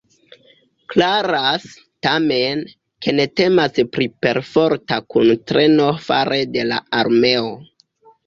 Klaras, tamen, ke ne temas pri perforta kuntreno fare de la armeo.